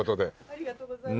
ありがとうございます。